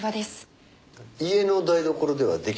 家の台所では出来ないの？